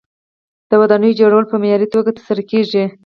د ودانیو جوړول په معیاري توګه ترسره کیږي.